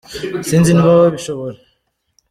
sinzi niba babishobora.